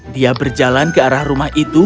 dia berjalan ke arah rumah itu